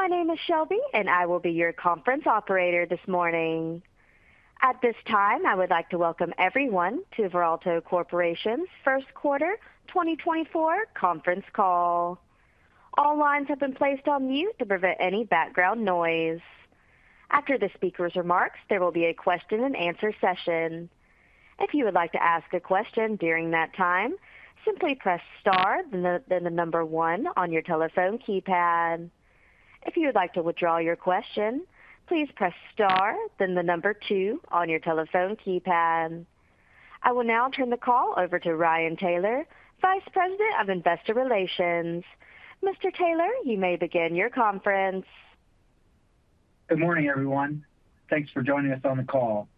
My name is Shelby, and I will be your Conference Operator this morning. At this time, I would like to welcome everyone to Veralto Corporation's first quarter 2024 conference call. All lines have been placed on mute to prevent any background noise. After the speaker's remarks, there will be a question and answer session. If you would like to ask a question during that time, simply press star, then the, then the number one on your telephone keypad. If you would like to withdraw your question, please press star, then the number two on your telephone keypad. I will now turn the call over to Ryan Taylor, Vice President of Investor Relations. Mr. Taylor, you may begin your conference. Good morning, everyone. Thanks for joining us on the call.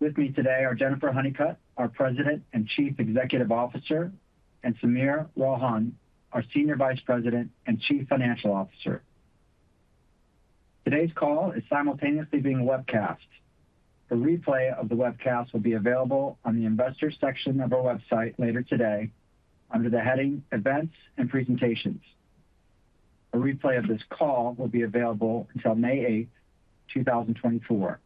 With me today are Jennifer Honeycutt, our President and Chief Executive Officer, and Sameer Ralhan, our Senior Vice President and Chief Financial Officer. Today's call is simultaneously being webcast. A replay of the webcast will be available on the Investors section of our website later today under the heading Events and Presentations. A replay of this call will be available until May 8, 2024.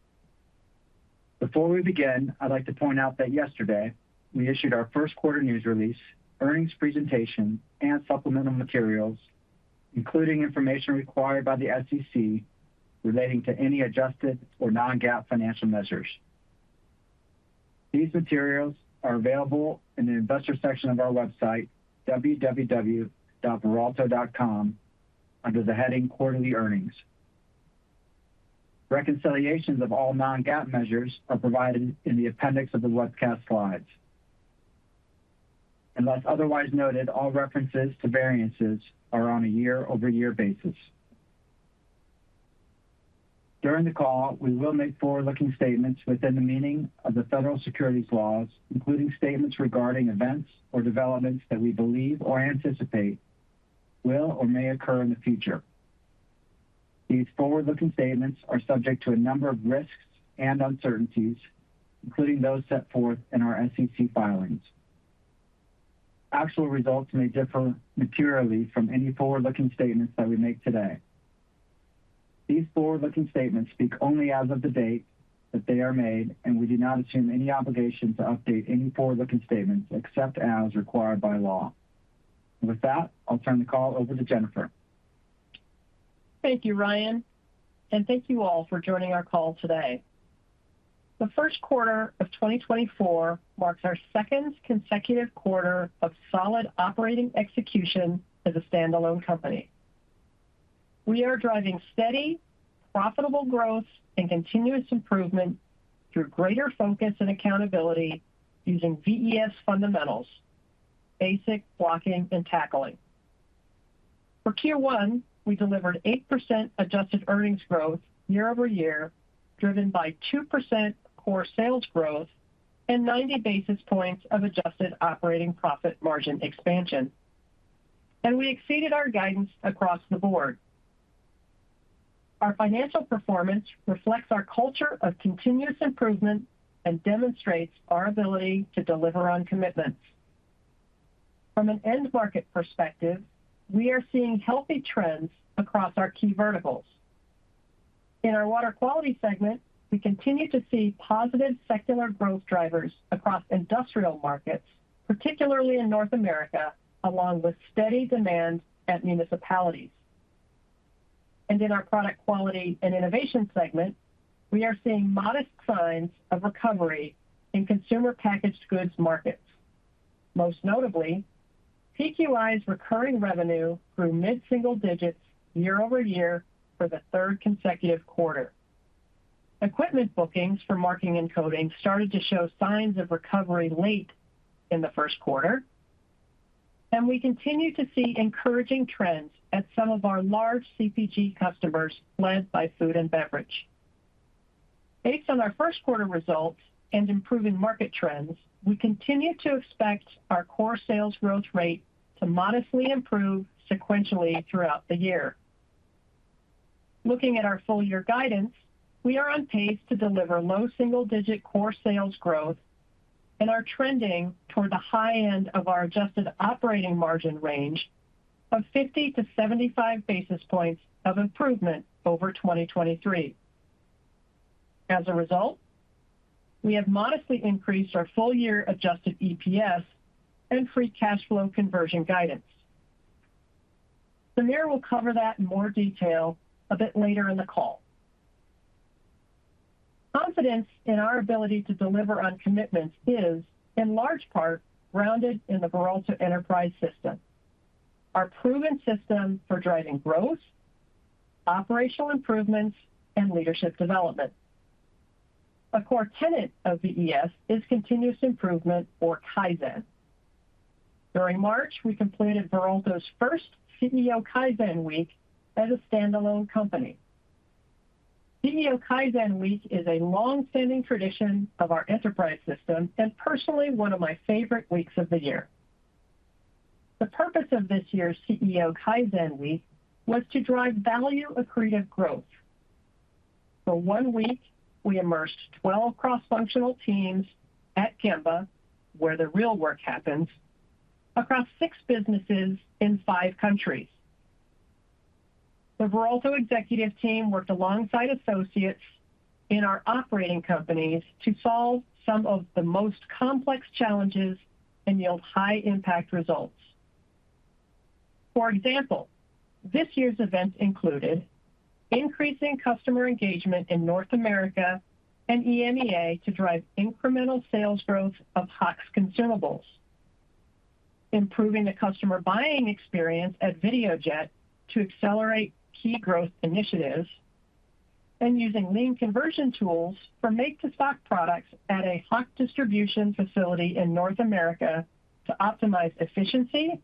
Before we begin, I'd like to point out that yesterday we issued our first quarter news release, earnings presentation, and supplemental materials, including information required by the SEC relating to any adjusted or non-GAAP financial measures. These materials are available in the Investor section of our website, www.veralto.com, under the heading Quarterly Earnings. Reconciliations of all non-GAAP measures are provided in the appendix of the webcast slides. Unless otherwise noted, all references to variances are on a year-over-year basis. During the call, we will make forward-looking statements within the meaning of the federal securities laws, including statements regarding events or developments that we believe or anticipate will or may occur in the future. These forward-looking statements are subject to a number of risks and uncertainties, including those set forth in our SEC filings. Actual results may differ materially from any forward-looking statements that we make today. These forward-looking statements speak only as of the date that they are made, and we do not assume any obligation to update any forward-looking statements except as required by law. With that, I'll turn the call over to Jennifer. Thank you, Ryan, and thank you all for joining our call today. The first quarter of 2024 marks our second consecutive quarter of solid operating execution as a standalone company. We are driving steady, profitable growth and continuous improvement through greater focus and accountability using VES fundamentals, basic blocking and tackling. For Q1, we delivered 8% adjusted earnings growth year-over-year, driven by 2% core sales growth and 90 basis points of adjusted operating profit margin expansion, and we exceeded our guidance across the board. Our financial performance reflects our culture of continuous improvement and demonstrates our ability to deliver on commitments. From an end market perspective, we are seeing healthy trends across our key verticals. In our Water Quality segment, we continue to see positive secular growth drivers across industrial markets, particularly in North America, along with steady demand at municipalities. In our Product Quality and Innovation segment, we are seeing modest signs of recovery in consumer packaged goods markets. Most notably, PQI's recurring revenue grew mid-single digits year-over-year for the third consecutive quarter. Equipment bookings for Marking and Coding started to show signs of recovery late in the first quarter, and we continue to see encouraging trends at some of our large CPG customers led by food and beverage. Based on our first quarter results and improving market trends, we continue to expect our core sales growth rate to modestly improve sequentially throughout the year. Looking at our full year guidance, we are on pace to deliver low single digit core sales growth and are trending toward the high end of our adjusted operating margin range of 50-75 basis points of improvement over 2023. As a result, we have modestly increased our full-year Adjusted EPS and free cash flow conversion guidance. Sameer will cover that in more detail a bit later in the call. Confidence in our ability to deliver on commitments is, in large part, grounded in the Veralto Enterprise System, our proven system for driving growth, operational improvements, and leadership development. A core tenet of VES is continuous improvement, or Kaizen. During March, we completed Veralto's first CEO Kaizen Week as a standalone company. CEO Kaizen Week is a long-standing tradition of our enterprise system and personally one of my favorite weeks of the year. The purpose of this year's CEO Kaizen Week was to drive value-accretive growth. For one week, we immersed 12 cross-functional teams at Gemba, where the real work happens, across six businesses in five countries. The Veralto executive team worked alongside associates in our operating companies to solve some of the most complex challenges and yield high-impact results. For example, this year's event included increasing customer engagement in North America and EMEA to drive incremental sales growth of Hach's consumables, improving the customer buying experience at Videojet to accelerate key growth initiatives, and using lean conversion tools for make-to-stock products at a Hach distribution facility in North America to optimize efficiency,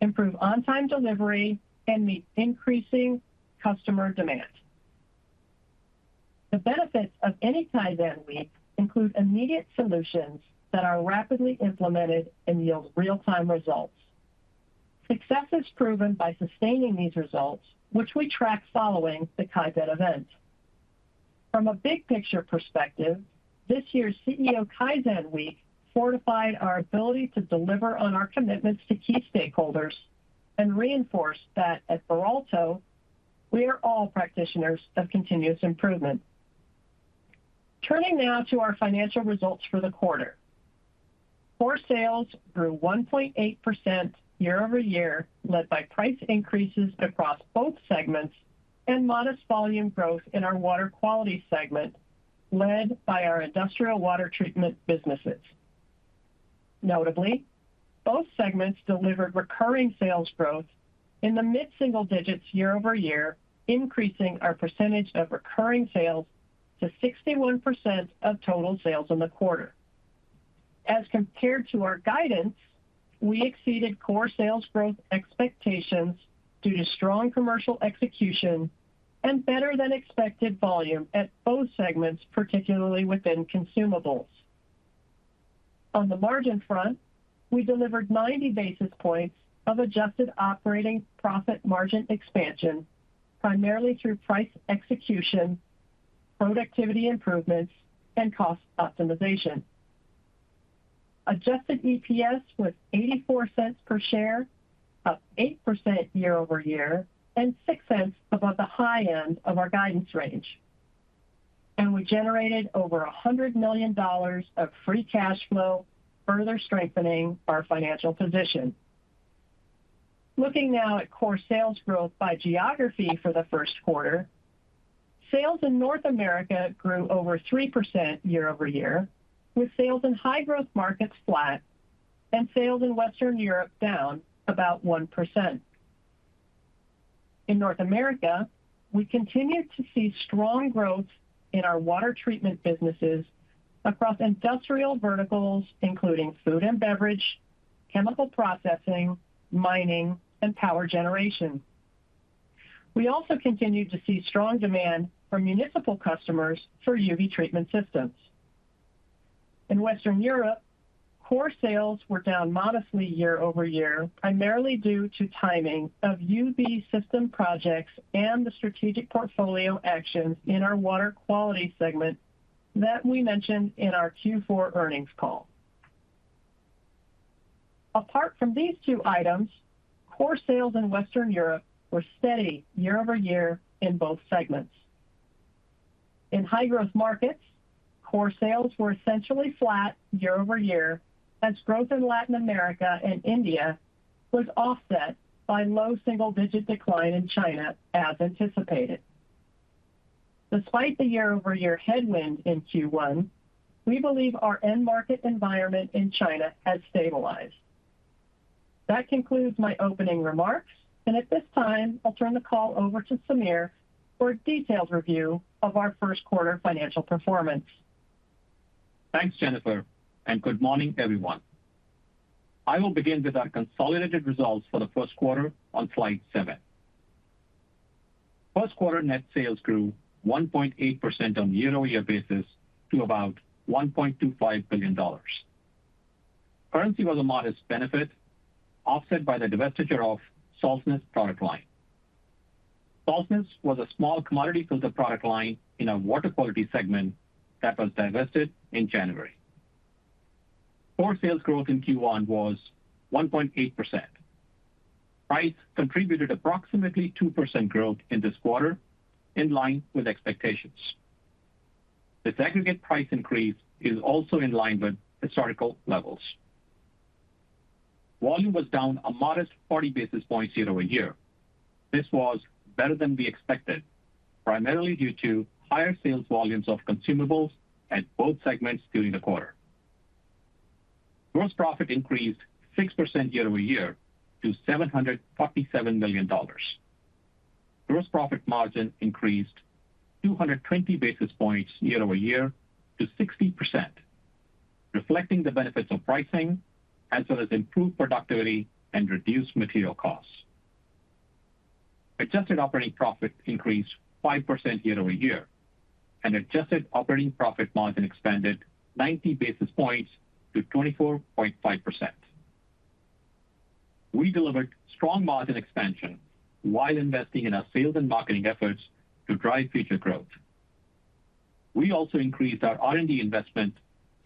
improve on-time delivery, and meet increasing customer demand. The benefits of any Kaizen week include immediate solutions that are rapidly implemented and yield real-time results. Success is proven by sustaining these results, which we track following the Kaizen event. From a big picture perspective, this year's CEO Kaizen Week fortified our ability to deliver on our commitments to key stakeholders and reinforce that at Veralto, we are all practitioners of continuous improvement. Turning now to our financial results for the quarter. Core sales grew 1.8% year-over-year, led by price increases across both segments and modest volume growth in our Water Quality segment, led by our industrial water treatment businesses. Notably, both segments delivered recurring sales growth in the mid-single digits year-over-year, increasing our percentage of recurring sales to 61% of total sales in the quarter. As compared to our guidance, we exceeded core sales growth expectations due to strong commercial execution and better-than-expected volume at both segments, particularly within consumables. On the margin front, we delivered 90 basis points of adjusted operating profit margin expansion, primarily through price execution, productivity improvements, and cost optimization. Adjusted EPS was $0.84 per share, up 8% year-over-year, and $0.06 above the high end of our guidance range. We generated over $100 million of free cash flow, further strengthening our financial position. Looking now at core sales growth by geography for the first quarter, sales in North America grew over 3% year-over-year, with sales in high-growth markets flat and sales in Western Europe down about 1%. In North America, we continued to see strong growth in our water treatment businesses across industrial verticals, including food and beverage, chemical processing, mining, and power generation. We also continued to see strong demand from municipal customers for UV treatment systems. In Western Europe, core sales were down modestly year-over-year, primarily due to timing of UV system projects and the strategic portfolio actions in our Water Quality segment that we mentioned in our Q4 earnings call. Apart from these two items, core sales in Western Europe were steady year-over-year in both segments. In high-growth markets, core sales were essentially flat year-over-year, as growth in Latin America and India was offset by low single-digit decline in China, as anticipated. Despite the year-over-year headwind in Q1, we believe our end market environment in China has stabilized. That concludes my opening remarks, and at this time, I'll turn the call over to Sameer for a detailed review of our first quarter financial performance. Thanks, Jennifer, and good morning, everyone. I will begin with our consolidated results for the first quarter on slide seven. First quarter net sales grew 1.8% on a year-over-year basis to about $1.25 billion. Currency was a modest benefit, offset by the divestiture of Salsnes product line. Salsnes was a small commodity filter product line in a Water Quality segment that was divested in January. Core sales growth in Q1 was 1.8%. Price contributed approximately 2% growth in this quarter, in line with expectations. This aggregate price increase is also in line with historical levels. Volume was down a modest 40 basis points year-over-year. This was better than we expected, primarily due to higher sales volumes of consumables at both segments during the quarter. Gross profit increased 6% year-over-year to $747 million. Gross profit margin increased 220 basis points year-over-year to 60%, reflecting the benefits of pricing as well as improved productivity and reduced material costs. Adjusted operating profit increased 5% year-over-year, and adjusted operating profit margin expanded 90 basis points to 24.5%.... We delivered strong margin expansion while investing in our sales and marketing efforts to drive future growth. We also increased our R&D investment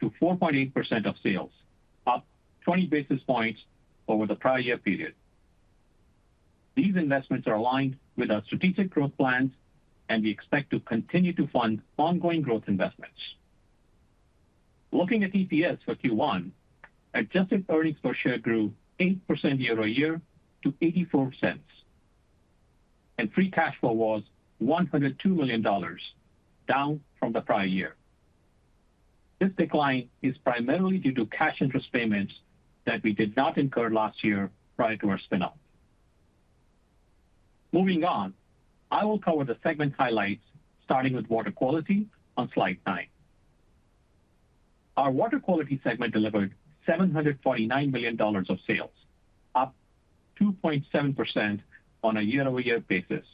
to 4.8% of sales, up 20 basis points over the prior year period. These investments are aligned with our strategic growth plans, and we expect to continue to fund ongoing growth investments. Looking at EPS for Q1, adjusted earnings per share grew 8% year-over-year to $0.84, and free cash flow was $102 million, down from the prior year. This decline is primarily due to cash interest payments that we did not incur last year prior to our spin-off. Moving on, I will cover the segment highlights, starting with Water Quality on slide nine. Our Water Quality segment delivered $749 million of sales, up 2.7% on a year-over-year basis.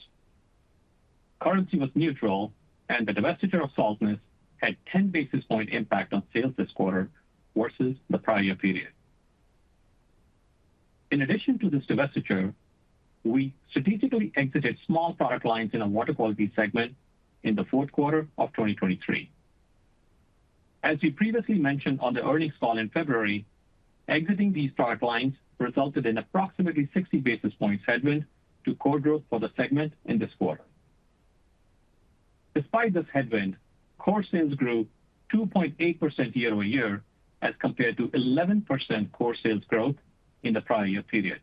Currency was neutral, and the divestiture of Salsnes had 10 basis points impact on sales this quarter versus the prior year period. In addition to this divestiture, we strategically exited small product lines in our Water Quality segment in the fourth quarter of 2023. As we previously mentioned on the earnings call in February, exiting these product lines resulted in approximately 60 basis points headwind to core growth for the segment in this quarter. Despite this headwind, core sales grew 2.8% year-over-year, as compared to 11% core sales growth in the prior year period,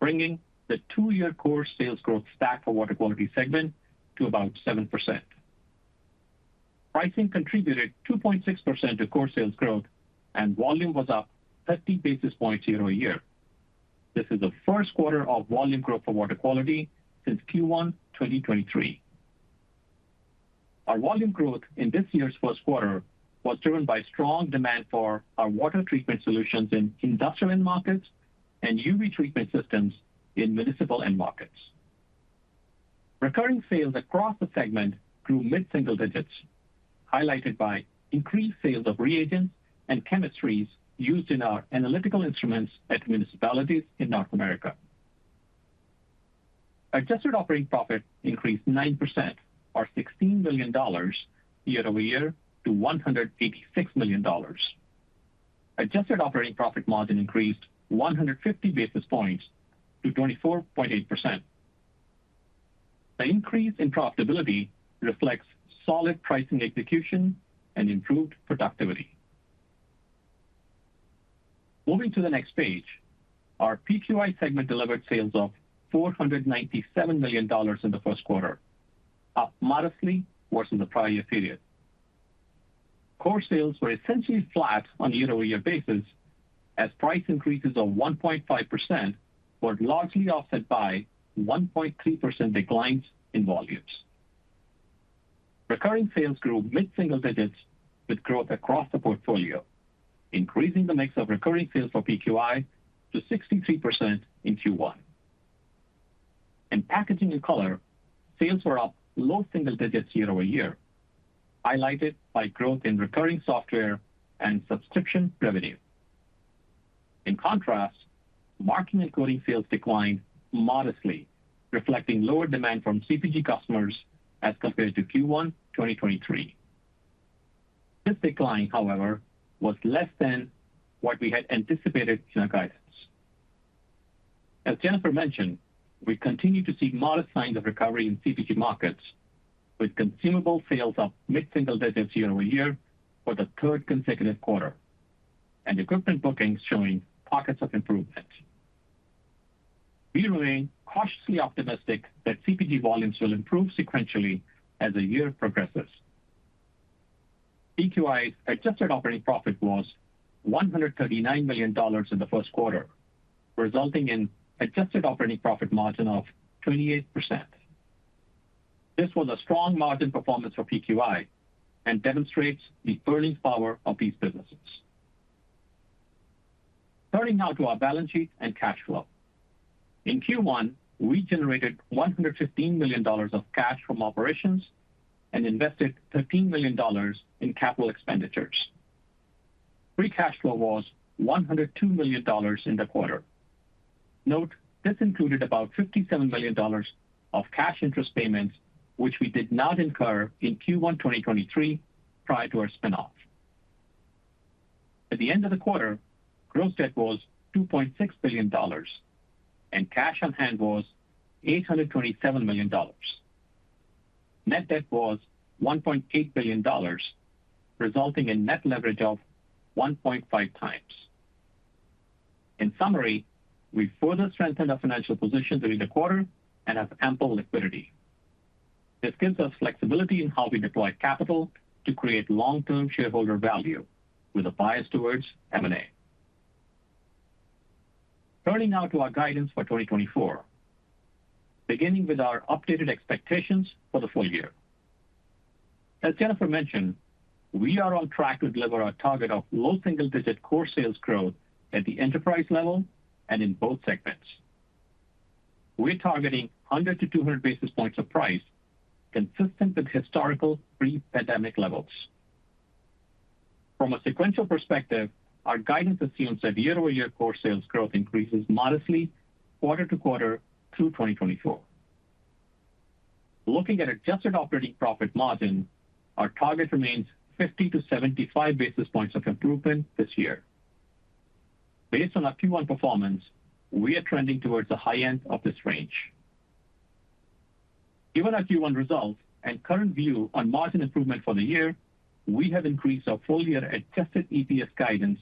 bringing the two-year core sales growth stack for Water Quality segment to about 7%. Pricing contributed 2.6% to core sales growth, and volume was up 30 basis points year-over-year. This is the first quarter of volume growth for Water Quality since Q1 2023. Our volume growth in this year's first quarter was driven by strong demand for our water treatment solutions in industrial end markets and UV treatment systems in municipal end markets. Recurring sales across the segment grew mid-single digits, highlighted by increased sales of reagents and chemistries used in our analytical instruments at municipalities in North America. Adjusted operating profit increased 9%, or $16 million year-over-year to $186 million. Adjusted operating profit margin increased 150 basis points to 24.8%. The increase in profitability reflects solid pricing execution and improved productivity. Moving to the next page, our PQI segment delivered sales of $497 million in the first quarter, up modestly versus the prior year period. Core sales were essentially flat on a year-over-year basis, as price increases of 1.5% were largely offset by 1.3% declines in volumes. Recurring sales grew mid-single digits, with growth across the portfolio, increasing the mix of recurring sales for PQI to 63% in Q1. In Packaging and Color, sales were up low single digits year-over-year, highlighted by growth in recurring software and subscription revenue. In contrast, Marking and Coding sales declined modestly, reflecting lower demand from CPG customers as compared to Q1 2023. This decline, however, was less than what we had anticipated in our guidance. As Jennifer mentioned, we continue to see modest signs of recovery in CPG markets, with consumable sales up mid-single digits year-over-year for the third consecutive quarter, and equipment bookings showing pockets of improvement. We remain cautiously optimistic that CPG volumes will improve sequentially as the year progresses. PQI's adjusted operating profit was $139 million in the first quarter, resulting in adjusted operating profit margin of 28%. This was a strong margin performance for PQI and demonstrates the earnings power of these businesses. Turning now to our balance sheet and cash flow. In Q1, we generated $115 million of cash from operations and invested $13 million in capital expenditures. Free cash flow was $102 million in the quarter. Note, this included about $57 million of cash interest payments, which we did not incur in Q1 2023, prior to our spin-off. At the end of the quarter, gross debt was $2.6 billion, and cash on hand was $827 million. Net debt was $1.8 billion, resulting in net leverage of 1.5 times. In summary, we further strengthened our financial position during the quarter and have ample liquidity. This gives us flexibility in how we deploy capital to create long-term shareholder value with a bias towards M&A. Turning now to our guidance for 2024, beginning with our updated expectations for the full year. As Jennifer mentioned, we are on track to deliver our target of low single-digit core sales growth at the enterprise level and in both segments. We're targeting 100-200 basis points of price, consistent with historical pre-pandemic levels. From a sequential perspective, our guidance assumes that year-over-year core sales growth increases modestly quarter-to-quarter through 2024. Looking at adjusted operating profit margin, our target remains 50-75 basis points of improvement this year. Based on our Q1 performance, we are trending towards the high end of this range. Given our Q1 results and current view on margin improvement for the year, we have increased our full year adjusted EPS guidance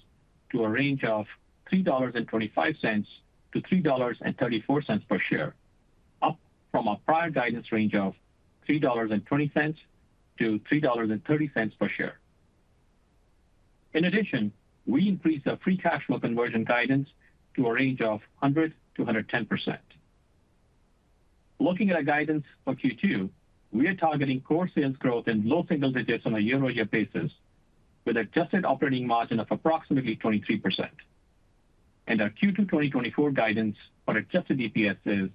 to a range of $3.25-$3.34 per share, up from our prior guidance range of $3.20-$3.30 per share. In addition, we increased our free cash flow conversion guidance to a range of 100%-110%. Looking at our guidance for Q2, we are targeting core sales growth in low single digits on a year-over-year basis, with adjusted operating margin of approximately 23%. Our Q2 2024 guidance on adjusted EPS is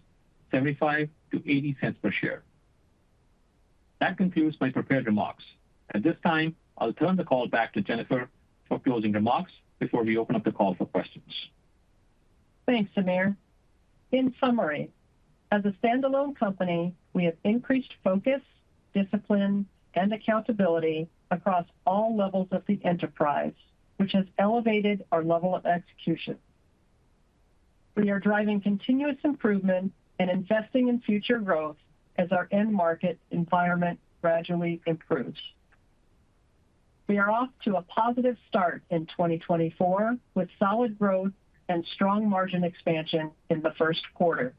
$0.75-$0.80 per share. That concludes my prepared remarks. At this time, I'll turn the call back to Jennifer for closing remarks before we open up the call for questions. Thanks, Sameer. In summary, as a standalone company, we have increased focus, discipline, and accountability across all levels of the enterprise, which has elevated our level of execution. We are driving continuous improvement and investing in future growth as our end market environment gradually improves. We are off to a positive start in 2024, with solid growth and strong margin expansion in the first quarter.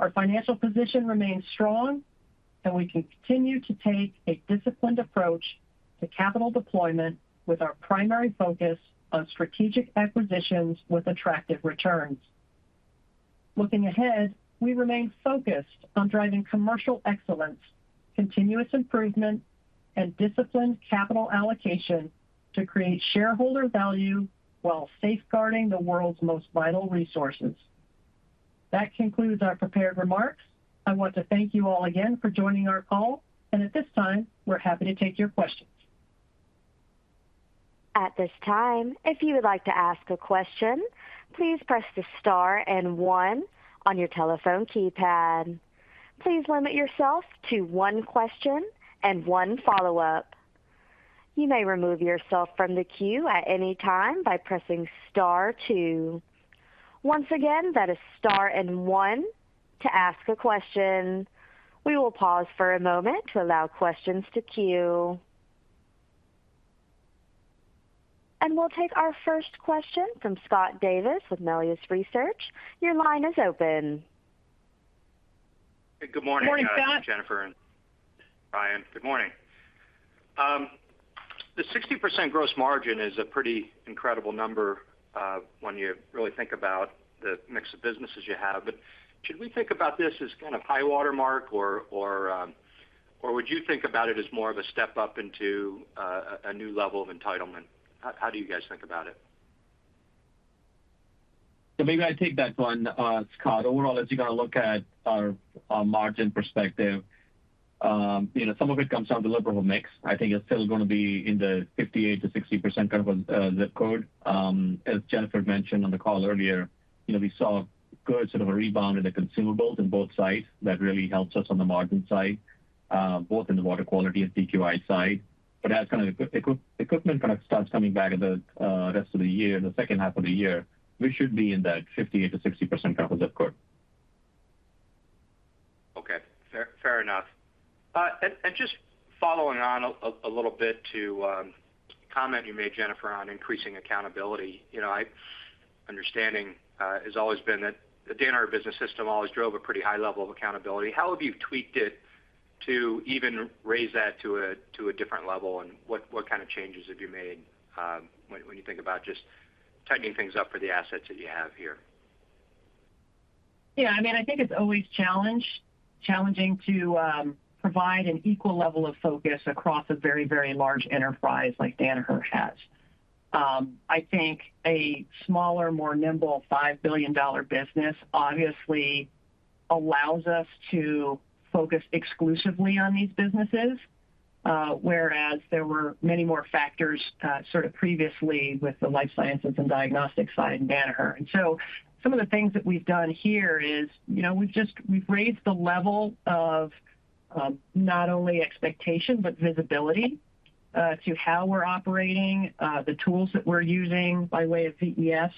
Our financial position remains strong, and we continue to take a disciplined approach to capital deployment, with our primary focus on strategic acquisitions with attractive returns. Looking ahead, we remain focused on driving commercial excellence, continuous improvement, and disciplined capital allocation to create shareholder value while safeguarding the world's most vital resources. That concludes our prepared remarks. I want to thank you all again for joining our call, and at this time, we're happy to take your questions. At this time, if you would like to ask a question, please press the star and one on your telephone keypad. Please limit yourself to one question and one follow-up. You may remove yourself from the queue at any time by pressing star two. Once again, that is star and one to ask a question. We will pause for a moment to allow questions to queue. We'll take our first question from Scott Davis with Melius Research. Your line is open. Good morning- Good morning, Scott. Jennifer and Ryan. Good morning. The 60% gross margin is a pretty incredible number, when you really think about the mix of businesses you have. But should we think about this as kind of high-water mark or would you think about it as more of a step up into a new level of entitlement? How do you guys think about it? So maybe I take that one, Scott. Overall, as you got to look at our margin perspective, you know, some of it comes down to deliverable mix. I think it's still gonna be in the 58%-60% kind of zip code. As Jennifer mentioned on the call earlier, you know, we saw good sort of a rebound in the consumables in both sides. That really helps us on the margin side, both in the Water Quality and PQI side. But as kind of equipment kind of starts coming back in the rest of the year, the second half of the year, we should be in that 58%-60% kind of zip code. Okay, fair, fair enough. And just following on a little bit to a comment you made, Jennifer, on increasing accountability. You know, understanding has always been that the Danaher Business System always drove a pretty high level of accountability. How have you tweaked it to even raise that to a different level? And what kind of changes have you made, when you think about just tightening things up for the assets that you have here? Yeah, I mean, I think it's always challenged, challenging to provide an equal level of focus across a very, very large enterprise like Danaher has. I think a smaller, more nimble, $5 billion business obviously allows us to focus exclusively on these businesses, whereas there were many more factors sort of previously with the life sciences and diagnostics side in Danaher. And so some of the things that we've done here is, you know, we've just, we've raised the level of not only expectation, but visibility to how we're operating, the tools that we're using by way of VES,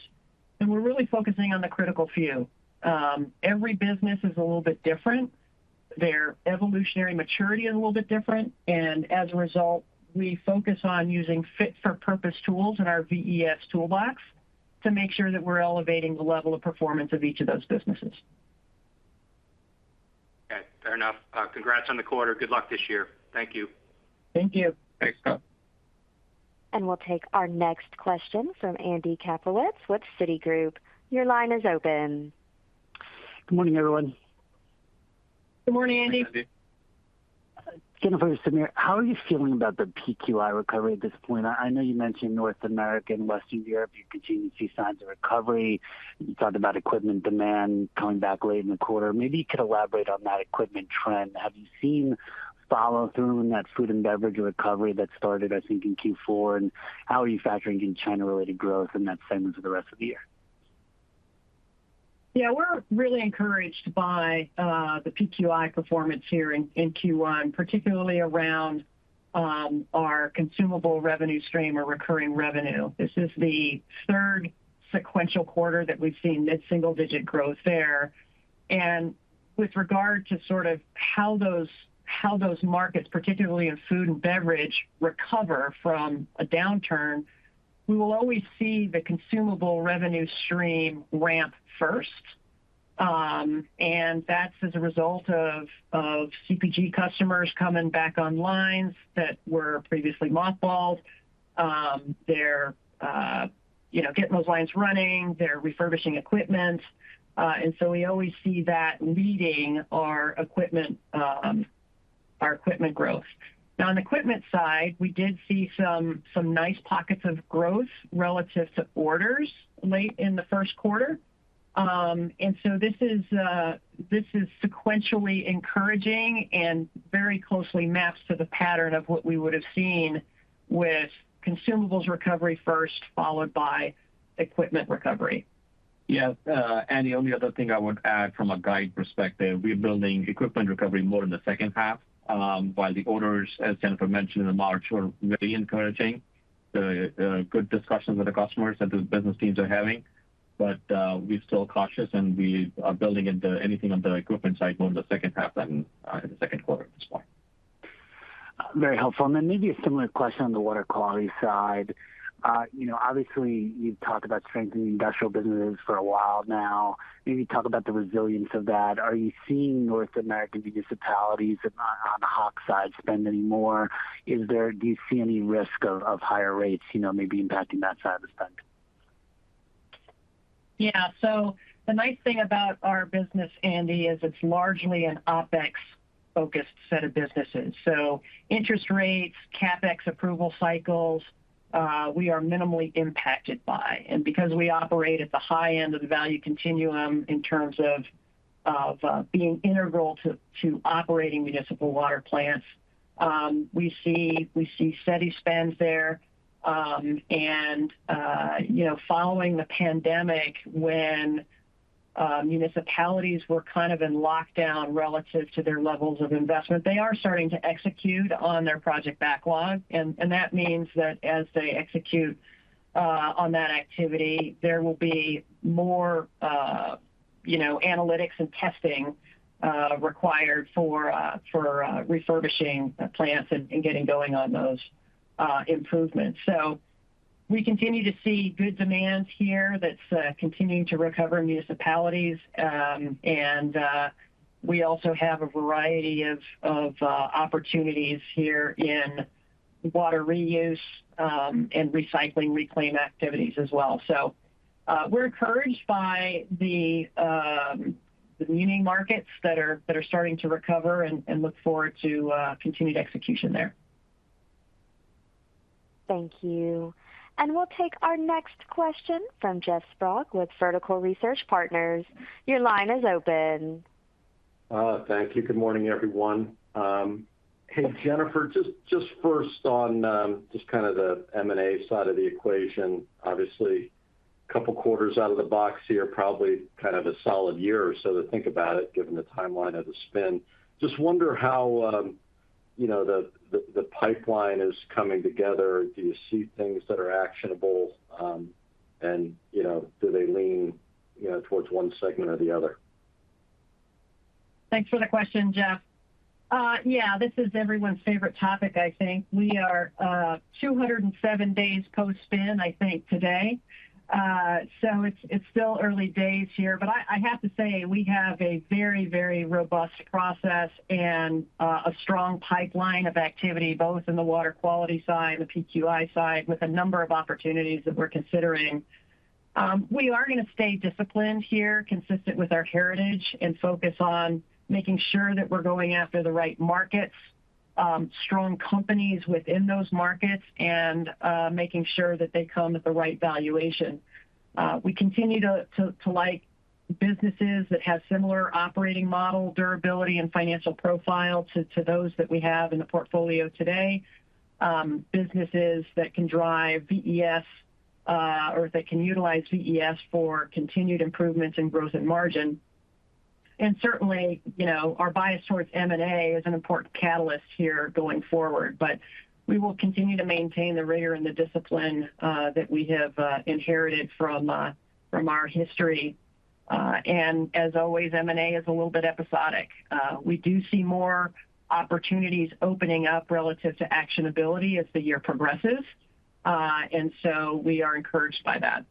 and we're really focusing on the critical few. Every business is a little bit different. Their evolutionary maturity is a little bit different, and as a result, we focus on using fit-for-purpose tools in our VES Toolbox to make sure that we're elevating the level of performance of each of those businesses. Okay, fair enough. Congrats on the quarter. Good luck this year. Thank you. Thank you. Thanks, Scott. We'll take our next question from Andy Kaplowitz with Citigroup. Your line is open. Good morning, everyone. Good morning, Andy.... Jennifer, Sameer, how are you feeling about the PQI recovery at this point? I know you mentioned North America and Western Europe, you continue to see signs of recovery. You talked about equipment demand coming back late in the quarter. Maybe you could elaborate on that equipment trend. Have you seen follow-through in that food and beverage recovery that started, I think, in Q4? And how are you factoring in China-related growth in that segment for the rest of the year? Yeah, we're really encouraged by the PQI performance here in Q1, particularly around our consumable revenue stream or recurring revenue. This is the third sequential quarter that we've seen mid-single-digit growth there. With regard to sort of how those markets, particularly in food and beverage, recover from a downturn, we will always see the consumable revenue stream ramp first. That's as a result of CPG customers coming back online that were previously mothballed. They're, you know, getting those lines running, they're refurbishing equipment, and so we always see that leading our equipment growth. Now, on the equipment side, we did see some nice pockets of growth relative to orders late in the first quarter. This is sequentially encouraging and very closely maps to the pattern of what we would have seen with consumables recovery first, followed by equipment recovery. Yes, and the only other thing I would add from a guide perspective, we're building equipment recovery more in the second half. While the orders, as Jennifer mentioned in the March, were very encouraging, the good discussions with the customers that the business teams are having. But we're still cautious, and we are building into anything on the equipment side more in the second half than in the second quarter at this point. Very helpful. And then maybe a similar question on the Water Quality side. You know, obviously, you've talked about strengthening industrial businesses for a while now. Maybe talk about the resilience of that. Are you seeing North American municipalities on the Hach side spend any more? Is there any risk of higher rates, you know, maybe impacting that side of spend? Yeah. So the nice thing about our business, Andy, is it's largely an OpEx-focused set of businesses. So interest rates, CapEx approval cycles, we are minimally impacted by. And because we operate at the high end of the value continuum in terms of being integral to operating municipal water plants, we see steady spends there. And you know, following the pandemic, when municipalities were kind of in lockdown relative to their levels of investment, they are starting to execute on their project backlog. And that means that as they execute on that activity, there will be more you know, analytics and testing required for refurbishing plants and getting going on those improvements. So we continue to see good demand here that's continuing to recover in municipalities. We also have a variety of opportunities here in water reuse and recycling, reclaim activities as well. So, we're encouraged by the emerging markets that are starting to recover and look forward to continued execution there. Thank you. And we'll take our next question from Jeff Sprague with Vertical Research Partners. Your line is open. Thank you. Good morning, everyone. Hey, Jennifer, just first on, just kind of the M&A side of the equation. Obviously, a couple of quarters out of the box here, probably kind of a solid year or so to think about it, given the timeline of the spin. Just wonder how, you know, the pipeline is coming together. Do you see things that are actionable? And, you know, do they lean, you know, towards one segment or the other? Thanks for the question, Jeff. Yeah, this is everyone's favorite topic, I think. We are 207 days post-spin, I think today. So it's still early days here, but I have to say, we have a very, very robust process and a strong pipeline of activity, both in the Water Quality side, the PQI side, with a number of opportunities that we're considering. We are gonna stay disciplined here, consistent with our heritage, and focus on making sure that we're going after the right markets, strong companies within those markets, and making sure that they come at the right valuation. We continue to like businesses that have similar operating model, durability, and financial profile to those that we have in the portfolio today. Businesses that can drive VES, or that can utilize VES for continued improvements in gross and margin. And certainly, you know, our bias towards M&A is an important catalyst here going forward. But we will continue to maintain the rigor and the discipline that we have inherited from our history. And as always, M&A is a little bit episodic. We do see more opportunities opening up relative to actionability as the year progresses, and so we are encouraged by that.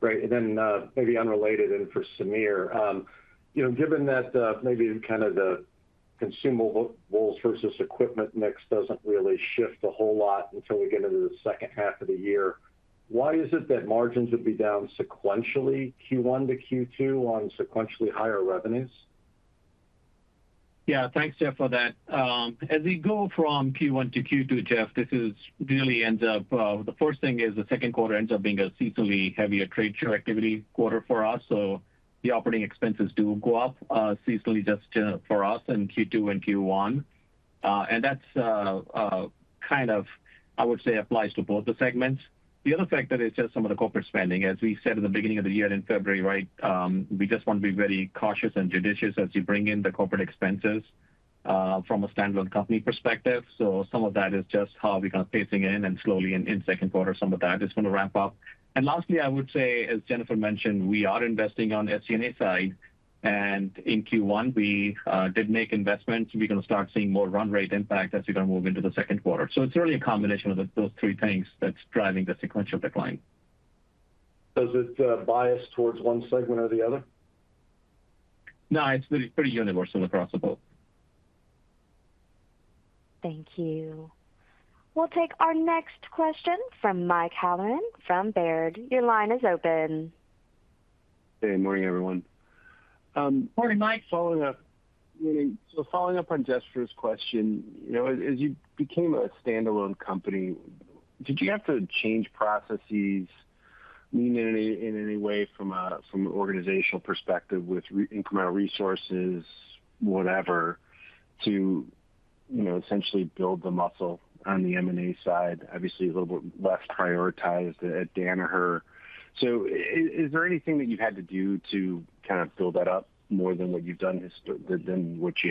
Great. Then, maybe unrelated and for Sameer. You know, given that, maybe kind of the consumables versus equipment mix doesn't really shift a whole lot until we get into the second half of the year, why is it that margins would be down sequentially, Q1 to Q2, on sequentially higher revenues? Yeah, thanks, Jeff, for that. As we go from Q1 to Q2, Jeff, this is really ends up, the first thing is the second quarter ends up being a seasonally heavier trade show activity quarter for us. So the operating expenses do go up, seasonally just, for us in Q2 and Q1. And that's, kind of, I would say, applies to both the segments. The other factor is just some of the corporate spending. As we said in the beginning of the year in February, right, we just want to be very cautious and judicious as we bring in the corporate expenses, from a standalone company perspective. So some of that is just how we're kind of pacing in and slowly in, in second quarter, some of that is going to ramp up. And lastly, I would say, as Jennifer mentioned, we are investing on SG&A side, and in Q1, we did make investments. We're going to start seeing more run rate impact as we kind of move into the second quarter. So it's really a combination of those three things that's driving the sequential decline. Does it bias towards one segment or the other? No, it's pretty, pretty universal across the board. Thank you. We'll take our next question from Mike Halloran from Baird. Your line is open. Good morning, everyone. Morning, Mike. Following up, so following up on Jeff's question, you know, as you became a standalone company, did you have to change processes in any way from an organizational perspective with incremental resources, whatever, to you know, essentially build the muscle on the M&A side? Obviously, a little bit less prioritized at Danaher. So is there anything that you've had to do to kind of build that up more than what you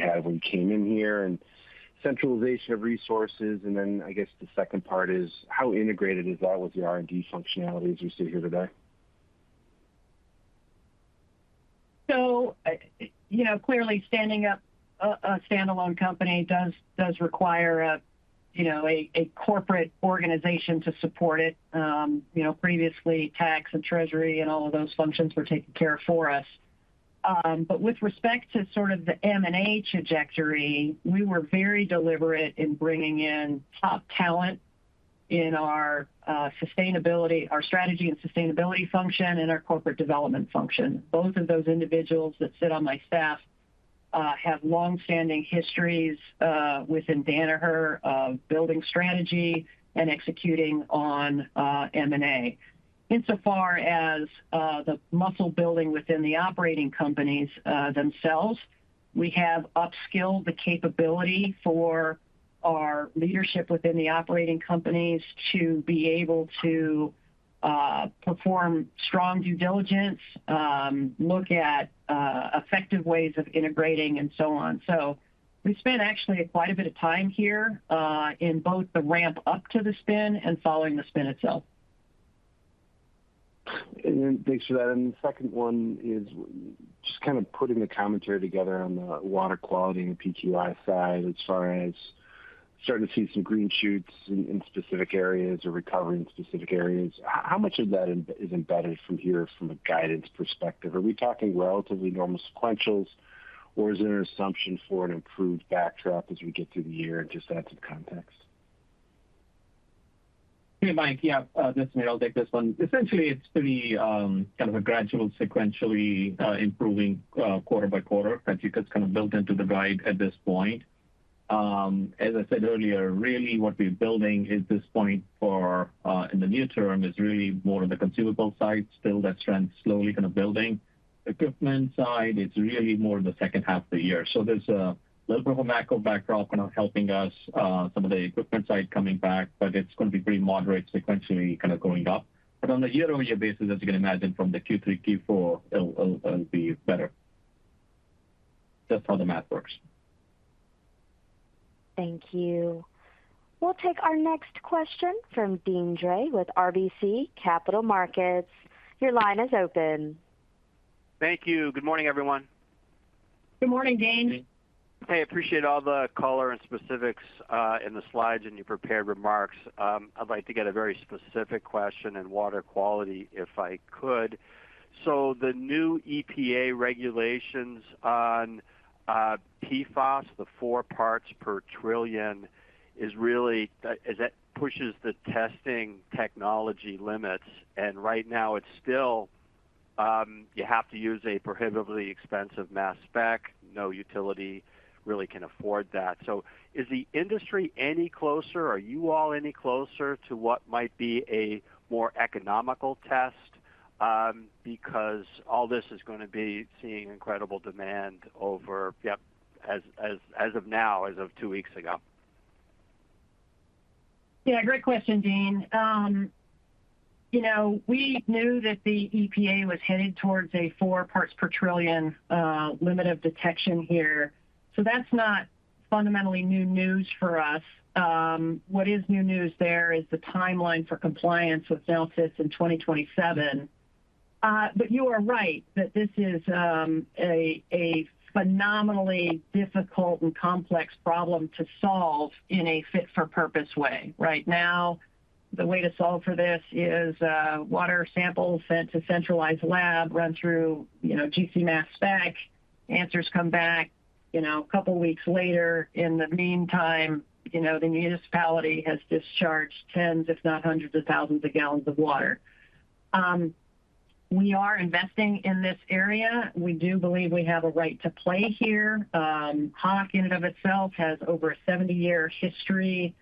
had when you came in here, and centralization of resources? And then I guess the second part is, how integrated is that with the R&D functionality as you sit here today? So, you know, clearly, standing up a standalone company does require a corporate organization to support it. You know, previously, tax and treasury and all of those functions were taken care of for us. But with respect to sort of the M&A trajectory, we were very deliberate in bringing in top talent in our sustainability, our strategy and sustainability function and our corporate development function. Both of those individuals that sit on my staff have long-standing histories within Danaher building strategy and executing on M&A. Insofar as the muscle building within the operating companies themselves, we have upskilled the capability for our leadership within the operating companies to be able to perform strong due diligence, look at effective ways of integrating, and so on. We spent actually quite a bit of time here in both the ramp up to the spin and following the spin itself. And then thanks for that. The second one is just kind of putting the commentary together on the Water Quality and the PQI side as far as starting to see some green shoots in specific areas or recovery in specific areas. How much of that is embedded from here from a guidance perspective? Are we talking relatively normal sequentials, or is there an assumption for an improved backdrop as we get through the year? And just add some context. Hey, Mike. Yeah, this is Sameer. I'll take this one. Essentially, it's pretty kind of a gradual, sequentially improving quarter by quarter that I think that's kind of built into the guide at this point. As I said earlier, really what we're building is this point for, in the near term, is really more of the consumable side. Still, that trend slowly kind of building. Equipment side, it's really more the second half of the year. So there's a little bit of a macro backdrop kind of helping us, some of the equipment side coming back, but it's going to be pretty moderate sequentially kind of going up. But on the year-over-year basis, as you can imagine from the Q3, Q4, it'll, it'll be better. That's how the math works. Thank you. We'll take our next question from Deane Dray with RBC Capital Markets. Your line is open. Thank you. Good morning, everyone. Good morning, Deane. Hey, appreciate all the color and specifics in the slides and your prepared remarks. I'd like to get a very specific question in Water Quality, if I could. So the new EPA regulations on PFAS, the 4 parts per trillion, is really that pushes the testing technology limits, and right now it's still you have to use a prohibitively expensive mass spec. No utility really can afford that. So is the industry any closer, are you all any closer to what might be a more economical test? Because all this is going to be seeing incredible demand over, yep, as of now, as of two weeks ago. Yeah, great question, Deane. You know, we knew that the EPA was headed towards a 4 parts per trillion limit of detection here, so that's not fundamentally new news for us. What is new news there is the timeline for compliance with MCLs in 2027. But you are right that this is a phenomenally difficult and complex problem to solve in a fit-for-purpose way. Right now, the way to solve for this is water samples sent to a centralized lab, run through, you know, GC mass spec, answers come back, you know, a couple of weeks later. In the meantime, you know, the municipality has discharged tens, if not hundreds of thousands of gallons of water. We are investing in this area. We do believe we have a right to play here. Hach, in and of itself, has over a 70-year history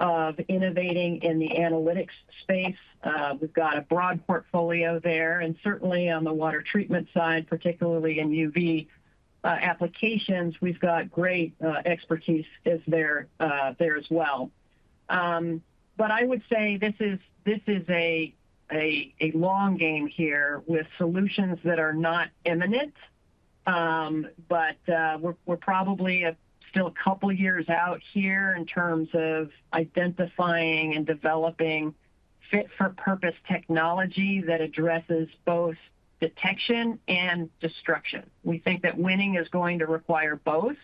of innovating in the analytics space. We've got a broad portfolio there, and certainly on the water treatment side, particularly in UV applications, we've got great expertise there as well. But I would say this is a long game here, with solutions that are not imminent. But we're probably still a couple of years out here in terms of identifying and developing fit-for-purpose technology that addresses both detection and destruction. We think that winning is going to require both,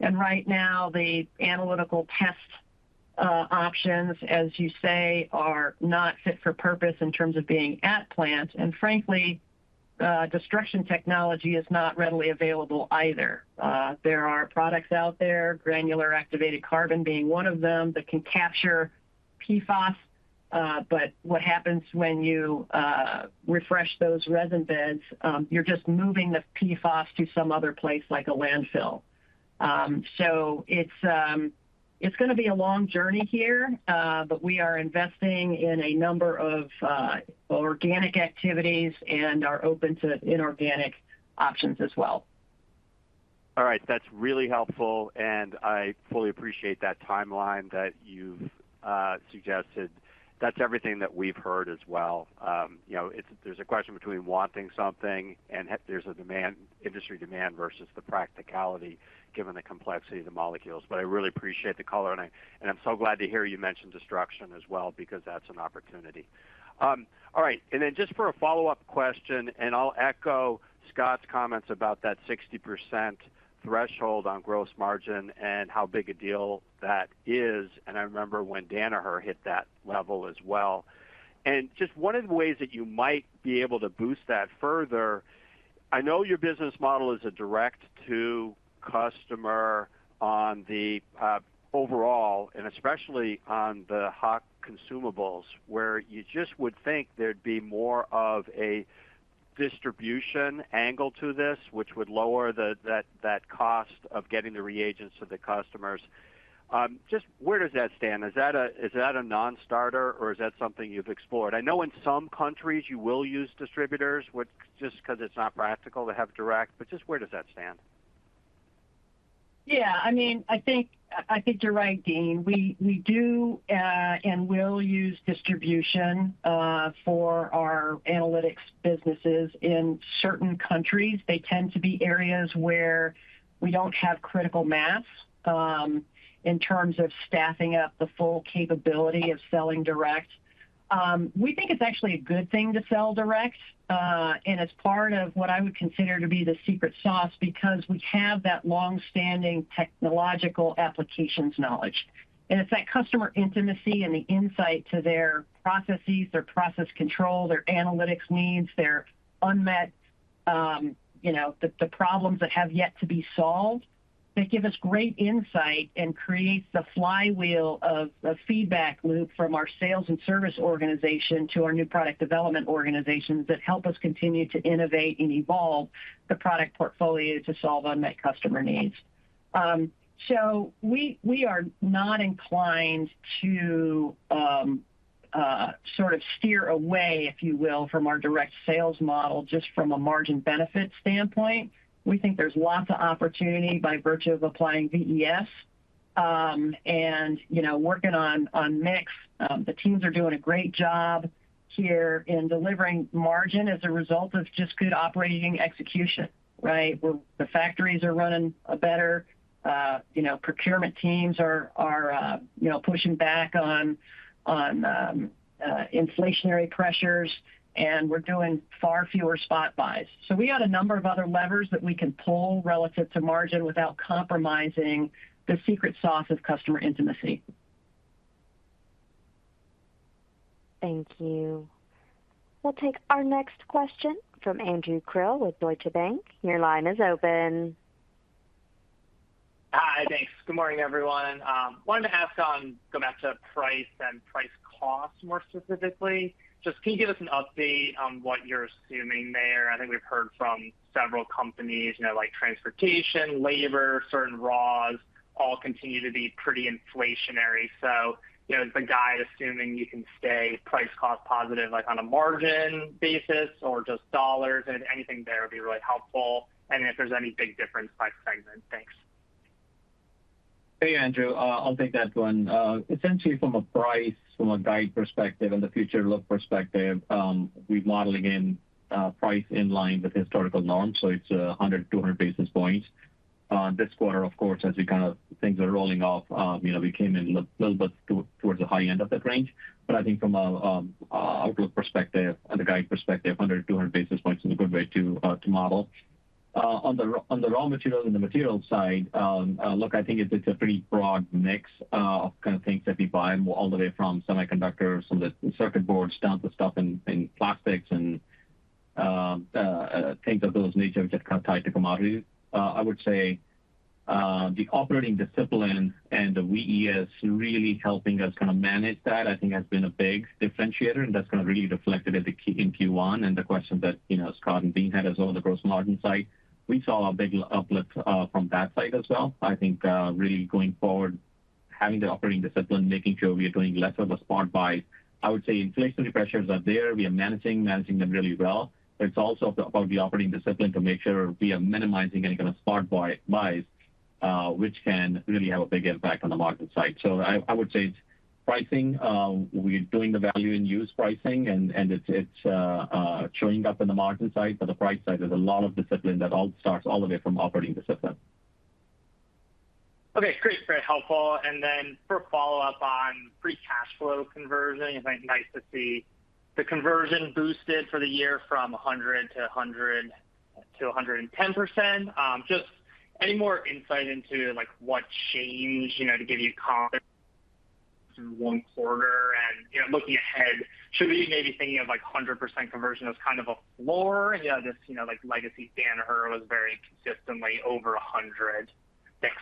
and right now, the analytical test options, as you say, are not fit for purpose in terms of being at plant. And frankly, destruction technology is not readily available either. There are products out there, granular activated carbon being one of them, that can capture PFAS. But what happens when you refresh those resin beds? You're just moving the PFAS to some other place, like a landfill. So it's gonna be a long journey here, but we are investing in a number of organic activities and are open to inorganic options as well. All right. That's really helpful, and I fully appreciate that timeline that you've suggested. That's everything that we've heard as well. You know, it's—there's a question between wanting something, and there's a demand, industry demand versus the practicality, given the complexity of the molecules. But I really appreciate the color, and I, and I'm so glad to hear you mention destruction as well, because that's an opportunity. All right, and then just for a follow-up question, and I'll echo Scott's comments about that 60% threshold on gross margin and how big a deal that is, and I remember when Danaher hit that level as well. And just what are the ways that you might be able to boost that further? I know your business model is a direct-to-customer on the overall, and especially on the Hach consumables, where you just would think there'd be more of a distribution angle to this, which would lower that cost of getting the reagents to the customers. Just where does that stand? Is that a non-starter, or is that something you've explored? I know in some countries you will use distributors, which just because it's not practical to have direct, but just where does that stand? Yeah, I mean, I think, I think you're right, Deane. We, we do, and will use distribution, for our analytics businesses in certain countries. They tend to be areas where we don't have critical mass, in terms of staffing up the full capability of selling direct. We think it's actually a good thing to sell direct, and it's part of what I would consider to be the secret sauce, because we have that long-standing technological applications knowledge. It's that customer intimacy and the insight to their processes, their process control, their analytics needs, their unmet, you know, the problems that have yet to be solved, that give us great insight and creates the flywheel of a feedback loop from our sales and service organization to our new product development organizations, that help us continue to innovate and evolve the product portfolio to solve unmet customer needs. So we are not inclined to sort of steer away, if you will, from our direct sales model, just from a margin benefit standpoint. We think there's lots of opportunity by virtue of applying VES, and, you know, working on mix. The teams are doing a great job here in delivering margin as a result of just good operating execution, right? Where the factories are running a better, you know, procurement teams are pushing back on inflationary pressures, and we're doing far fewer spot buys. So we got a number of other levers that we can pull relative to margin without compromising the secret sauce of customer intimacy. Thank you. We'll take our next question from Andrew Krill with Deutsche Bank. Your line is open. Hi, thanks. Good morning, everyone. Wanted to ask on the market price and price costs, more specifically. Just can you give us an update on what you're assuming there? I think we've heard from several companies, you know, like transportation, labor, certain raws, all continue to be pretty inflationary. So you know, the guide, assuming you can stay price cost positive, like, on a margin basis or just dollars, and anything there would be really helpful. If there's any big difference by segment. Thanks. Hey, Andrew, I'll take that one. Essentially from a price, from a guide perspective and the future look perspective, we're modeling in, price in line with historical norms, so it's, 100-200 basis points. This quarter, of course, as you kind of-- things are rolling off, you know, we came in a little bit towards the high end of that range. But I think from a, a outlook perspective and a guide perspective, 100-200 basis points is a good way to, to model. On the raw, on the raw materials and the materials side, look, I think it's a pretty broad mix of kind of things that we buy, all the way from semiconductors and the circuit board stuff, to stuff in plastics and things of those nature, which are kind of tied to commodities. I would say the operating discipline and the VES really helping us kind of manage that, I think, has been a big differentiator, and that's kind of really reflected at the Q, in Q1. The question that, you know, Scott and Deane had as well on the gross margin side, we saw a big uplift from that side as well. I think, really going forward, having the operating discipline, making sure we are doing less of a spot buy. I would say inflationary pressures are there. We are managing them really well, but it's also about the operating discipline to make sure we are minimizing any kind of spot buy, buys, which can really have a big impact on the margin side. So I would say pricing, we're doing the value-in-use pricing, and it's showing up in the margin side. But the bright side, there's a lot of discipline that all starts all the way from operating the system. Okay, great, very helpful. Then for a follow-up on free cash flow conversion, it's, like, nice to see the conversion boosted for the year from 100% to 110%. Just any more insight into, like, what changed, you know, to give you confidence through one quarter and, you know, looking ahead, should we maybe thinking of, like, a hundred percent conversion as kind of a floor? Yeah, just, you know, like legacy Danaher was very consistently over 100%. Thanks.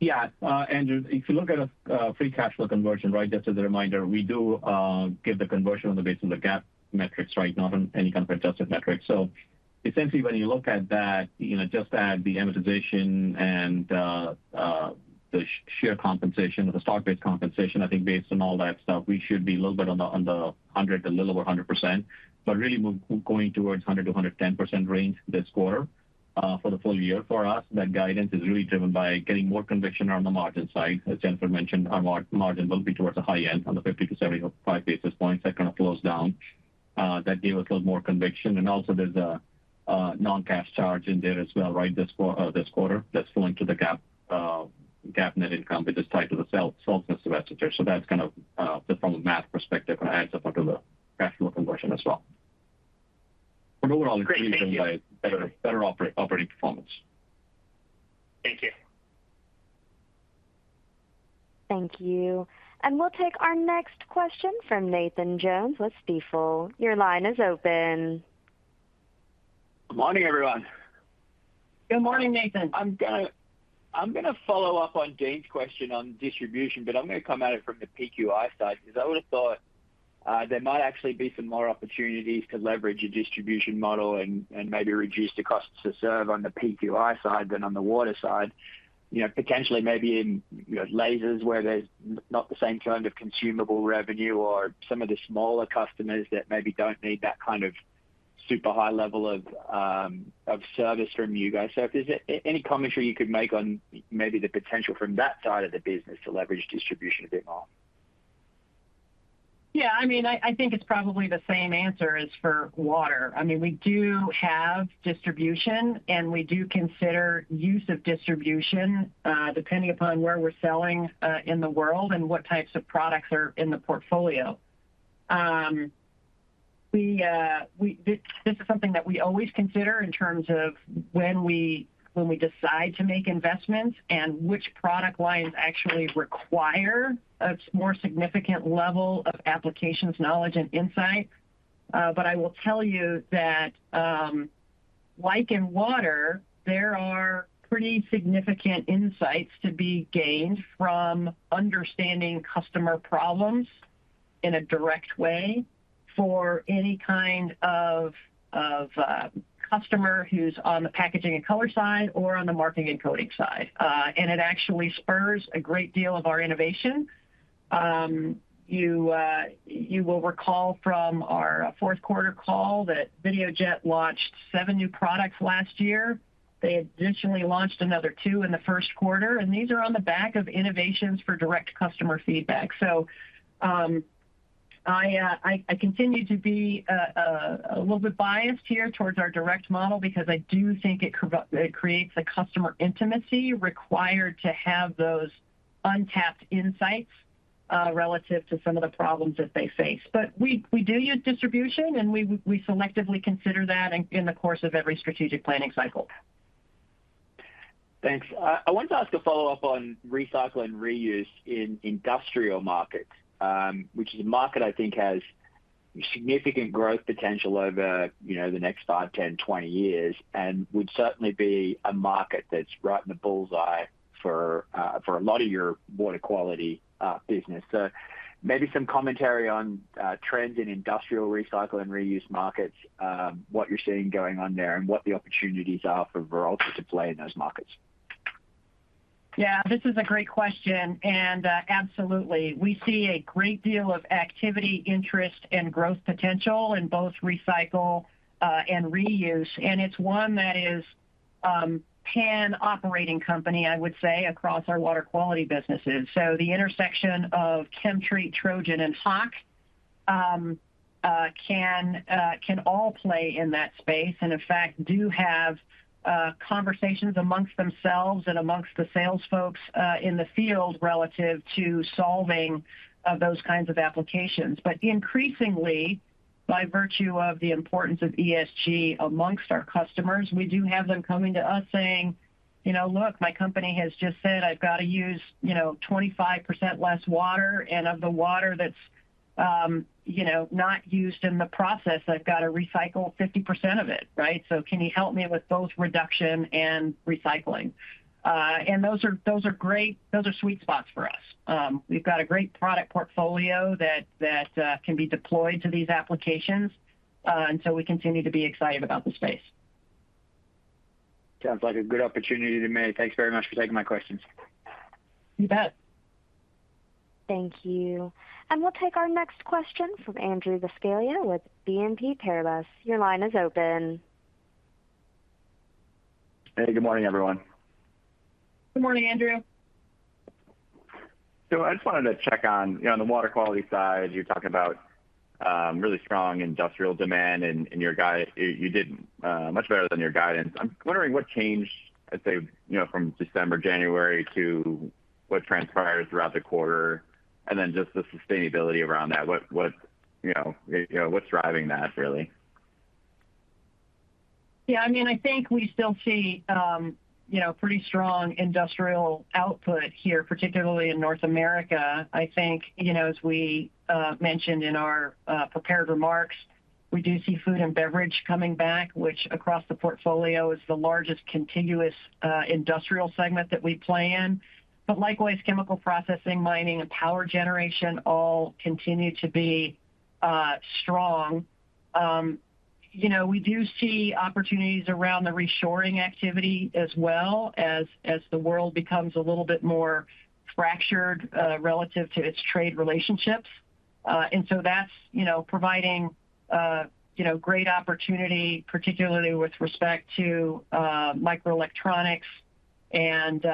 Yeah, Andrew, if you look at free cash flow conversion, right? Just as a reminder, we do give the conversion on the basis of the GAAP metrics, right? Not on any kind of adjusted metrics. So essentially, when you look at that, you know, just add the amortization and the share compensation or the stock-based compensation. I think based on all that stuff, we should be a little bit on the, on the 100, a little over 100%. But really, we're going towards 100-110% range this quarter, for the full year. For us, that guidance is really driven by getting more conviction on the margin side. As Jennifer mentioned, our margin will be towards the high end, on the 50-75 basis points. That kind of flows down. That gave us a little more conviction. And also there's a non-cash charge in there as well, right, this quarter, that's going to the GAAP net income, but just tied to the sale, softness of et cetera. So that's kind of just from a math perspective, and adds up onto the cash flow conversion as well. But overall- Great, thank you. Better operating performance. Thank you. Thank you. And we'll take our next question from Nathan Jones with Stifel. Your line is open. Good morning, everyone. Good morning, Nathan. I'm gonna, I'm gonna follow up on Deane's question on distribution, but I'm gonna come at it from the PQI side, because I would've thought, there might actually be some more opportunities to leverage a distribution model and maybe reduce the costs to serve on the PQI side than on the water side. You know, potentially, maybe in, you know, lasers, where there's not the same kind of consumable revenue or some of the smaller customers that maybe don't need that kind of super high level of, of service from you guys. So if there's any commentary you could make on maybe the potential from that side of the business to leverage distribution a bit more? Yeah, I mean, I think it's probably the same answer as for water. I mean, we do have distribution, and we do consider use of distribution, depending upon where we're selling in the world and what types of products are in the portfolio. This is something that we always consider in terms of when we decide to make investments and which product lines actually require a more significant level of applications, knowledge, and insight. But I will tell you that, like in water, there are pretty significant insights to be gained from understanding customer problems in a direct way for any kind of customer who's on the Packaging and Color side or on the Marking and Coding side. And it actually spurs a great deal of our innovation. You, you will recall from our fourth quarter call that Videojet launched seven new products last year. They additionally launched another two in the first quarter, and these are on the back of innovations for direct customer feedback. So, I, I continue to be a little bit biased here towards our direct model because I do think it creates a customer intimacy required to have those untapped insights relative to some of the problems that they face. But we do use distribution, and we selectively consider that in the course of every strategic planning cycle. Thanks. I wanted to ask a follow-up on recycle and reuse in industrial markets, which is a market I think has significant growth potential over, you know, the next five, 10, 20 years, and would certainly be a market that's right in the bull's eye for, for a lot of your Water Quality business. So maybe some commentary on, trends in industrial recycle and reuse markets, what you're seeing going on there, and what the opportunities are for Veralto to play in those markets? Yeah, this is a great question, and, absolutely, we see a great deal of activity, interest, and growth potential in both recycle, and reuse, and it's one that is, pan-operating company, I would say, across our Water Quality businesses. So the intersection of ChemTreat, Trojan, and Hach, can all play in that space, and in fact, do have, conversations amongst themselves and amongst the sales folks, in the field relative to solving of those kinds of applications. But increasingly, by virtue of the importance of ESG amongst our customers, we do have them coming to us saying, you know, look, my company has just said I've got to use, you know, 25% less water, and of the water that's not used in the process, you know, I've got to recycle 50% of it, right? So can you help me with both reduction and recycling? And those are, those are great. Those are sweet spots for us. We've got a great product portfolio that, that can be deployed to these applications, and so we continue to be excited about the space. Sounds like a good opportunity to me. Thanks very much for taking my questions. You bet. Thank you. We'll take our next question from Andrew Buscaglia with BNP Paribas. Your line is open. Hey, good morning, everyone. Good morning, Andrew. So I just wanted to check on, you know, on the Water Quality side, you're talking about really strong industrial demand, and you did much better than your guidance. I'm wondering what changed, let's say, you know, from December, January to what transpires throughout the quarter, and then just the sustainability around that. What, you know, you know, what's driving that, really? Yeah, I mean, I think we still see, you know, pretty strong industrial output here, particularly in North America. I think, you know, as we mentioned in our prepared remarks, we do see food and beverage coming back, which across the portfolio is the largest contiguous industrial segment that we play in. But likewise, chemical processing, mining, and power generation all continue to be strong. You know, we do see opportunities around the reshoring activity as well as, as the world becomes a little bit more fractured relative to its trade relationships. And so that's, you know, providing, you know, great opportunity, particularly with respect to microelectronics and,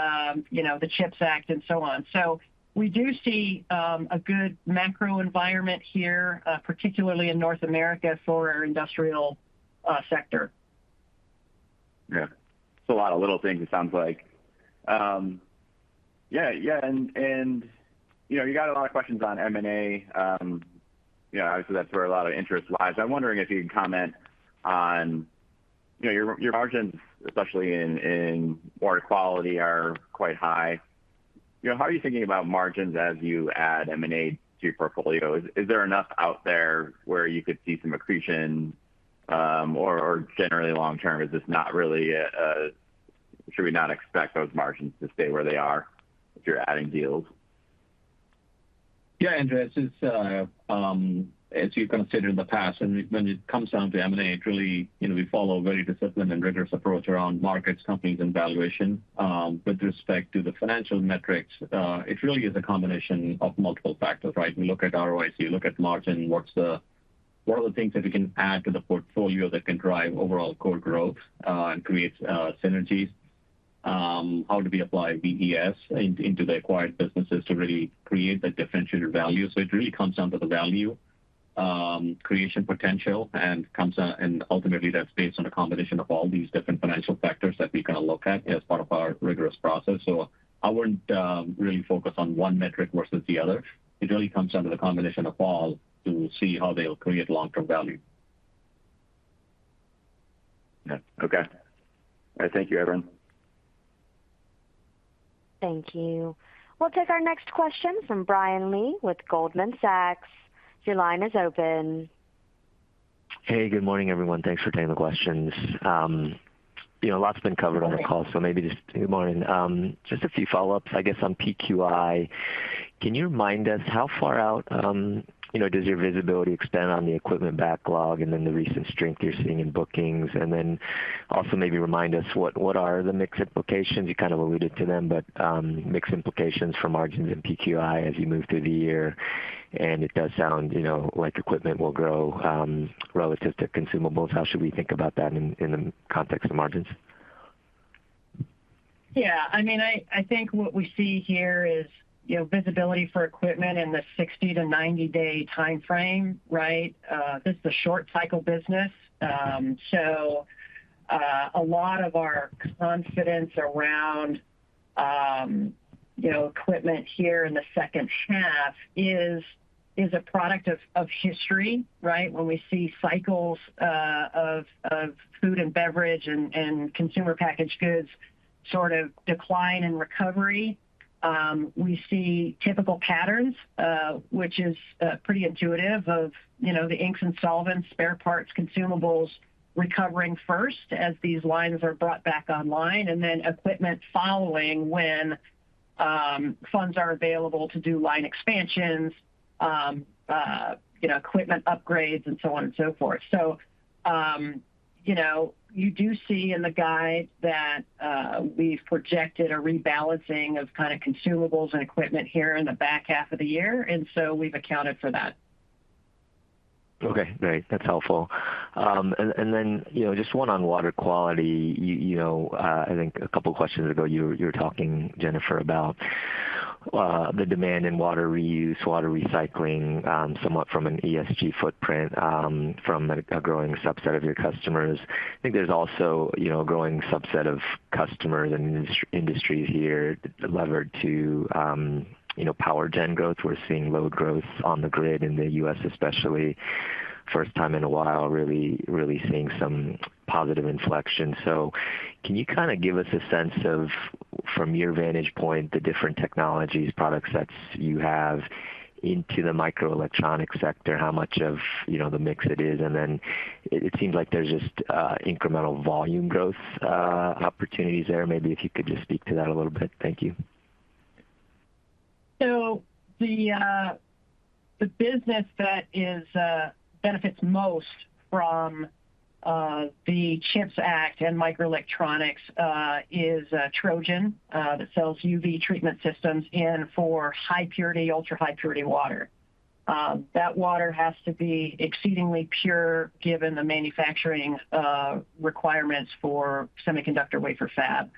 you know, the CHIPS Act and so on. So we do see a good macro environment here, particularly in North America, for our industrial sector. Yeah. It's a lot of little things, it sounds like. Yeah, you know, you got a lot of questions on M&A. You know, obviously that's where a lot of interest lies. I'm wondering if you can comment on, you know, your margins, especially in Water Quality, are quite high. You know, how are you thinking about margins as you add M&A to your portfolio? Is there enough out there where you could see some accretion, or generally long term, is this not really should we not expect those margins to stay where they are if you're adding deals? Yeah, Andrew, since as you considered in the past, and when it comes down to M&A, truly, you know, we follow a very disciplined and rigorous approach around markets, companies, and valuation. With respect to the financial metrics, it really is a combination of multiple factors, right? We look at ROIC, we look at margin, what are the things that we can add to the portfolio that can drive overall core growth, and create synergies? How do we apply VES into the acquired businesses to really create that differentiated value? So it really comes down to the value creation potential, and comes down and ultimately, that's based on a combination of all these different financial factors that we kind of look at as part of our rigorous process. So I wouldn't really focus on one metric versus the other. It really comes down to the combination of all to see how they'll create long-term value. Yeah. Okay. All right. Thank you, everyone. Thank you. We'll take our next question from Brian Lee with Goldman Sachs. Your line is open. Hey, good morning, everyone. Thanks for taking the questions. You know, a lot's been covered on the call, so maybe just- Good morning. Just a few follow-ups, I guess, on PQI. Can you remind us how far out, you know, does your visibility extend on the equipment backlog and then the recent strength you're seeing in bookings? And then also maybe remind us, what are the mixed implications? You kind of alluded to them, but, mixed implications for margins in PQI as you move through the year, and it does sound, you know, like equipment will grow, relative to consumables. How should we think about that in the context of margins? Yeah, I mean, I think what we see here is, you know, visibility for equipment in the 60-to-90-day time frame, right? This is a short cycle business. So, a lot of our confidence around, you know, equipment here in the second half is a product of history, right? When we see cycles of food and beverage and consumer packaged goods sort of decline in recovery, we see typical patterns, which is pretty intuitive of, you know, the inks and solvents, spare parts, consumables recovering first as these lines are brought back online. And then equipment following when funds are available to do line expansions, you know, equipment upgrades and so on and so forth. You know, you do see in the guide that we've projected a rebalancing of kind of consumables and equipment here in the back half of the year, and so we've accounted for that. Okay, great. That's helpful. And then, you know, just one on Water Quality. You know, I think a couple questions ago, you were talking, Jennifer, about the demand in water reuse, water recycling, somewhat from an ESG footprint, from a growing subset of your customers. I think there's also, you know, a growing subset of customers and industries here levered to, you know, power gen growth. We're seeing load growth on the grid in the U.S. especially. First time in a while, really, really seeing some positive inflection. So can you kind of give us a sense of, from your vantage point, the different technologies, product sets you have into the microelectronics sector? How much of, you know, the mix it is? And then it seems like there's just incremental volume growth opportunities there. Maybe if you could just speak to that a little bit. Thank you. So the business that benefits most from the CHIPS Act and microelectronics is Trojan that sells UV treatment systems in for high purity, ultrahigh purity water. That water has to be exceedingly pure, given the manufacturing requirements for semiconductor wafer fab.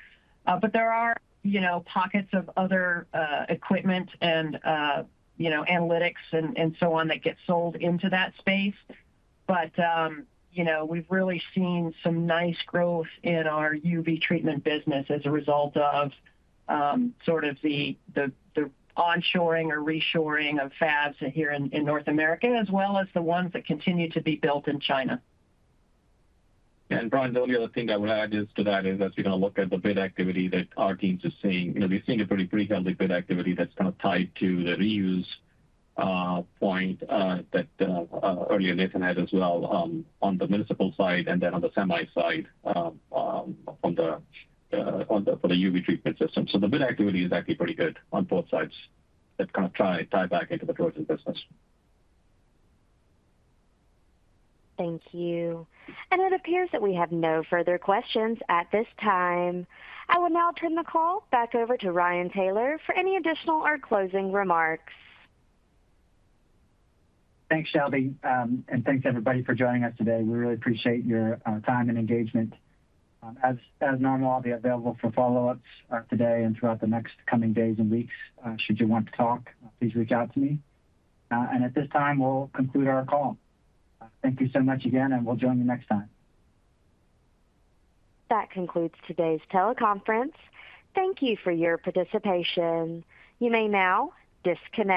But there are, you know, pockets of other equipment and, you know, analytics and so on, that get sold into that space. But, you know, we've really seen some nice growth in our UV treatment business as a result of sort of the onshoring or reshoring of fabs here in North America, as well as the ones that continue to be built in China. Brian, the only other thing I would add is, to that, as we kind of look at the bid activity that our teams are seeing, you know, we've seen a pretty frequent bid activity that's kind of tied to the reuse point that earlier Nathan had as well, on the municipal side and then on the semi side for the UV treatment system. So the bid activity is actually pretty good on both sides. That kind of ties back into the Trojan business. Thank you. It appears that we have no further questions at this time. I will now turn the call back over to Ryan Taylor for any additional or closing remarks. Thanks, Shelby. And thanks everybody for joining us today. We really appreciate your time and engagement. As normal, I'll be available for follow-ups today and throughout the next coming days and weeks. Should you want to talk, please reach out to me. And at this time, we'll conclude our call. Thank you so much again, and we'll join you next time. That concludes today's teleconference. Thank you for your participation. You may now disconnect.